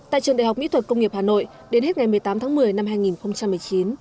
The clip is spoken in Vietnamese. tại trường đại học mỹ thuật công nghiệp hà nội đến hết ngày một mươi tám tháng một mươi năm hai nghìn một mươi chín